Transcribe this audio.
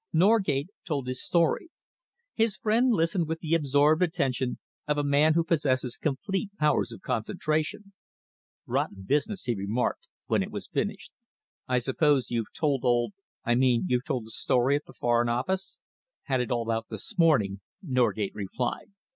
Norgate told his story. His friend listened with the absorbed attention of a man who possesses complete powers of concentration. "Rotten business," he remarked, when it was finished. "I suppose you've told old I mean you've told them the story at the Foreign Office?" "Had it all out this morning," Norgate replied.